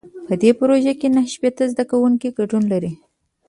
په دې پروژه کې نهه شپېته زده کوونکي ګډون لري.